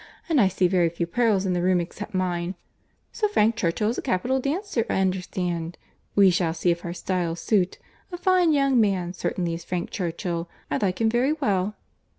And I see very few pearls in the room except mine.—So Frank Churchill is a capital dancer, I understand.—We shall see if our styles suit.—A fine young man certainly is Frank Churchill. I like him very well."